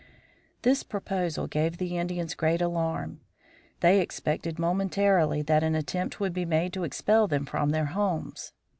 This proposal gave the Indians great alarm. They expected momentarily that an attempt would be made to expel them from their homes.